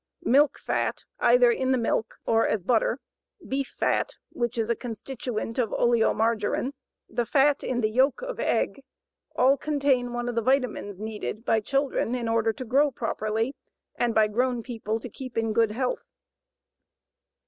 Milk fat, either in the milk or as butter, beef fat which is a constituent of oleomargarine, the fat in the yolk of egg, all contain one of the vitamines needed by children in order to grow properly, and by grown people to keep in good health.